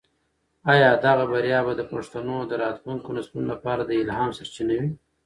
آیا دغه بریا به د پښتنو د راتلونکي نسلونو لپاره د الهام سرچینه وي؟